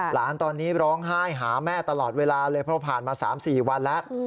หลานตอนนี้ร้องไห้หาแม่ตลอดเวลาเลยเพราะผ่านมา๓๔วันแล้ว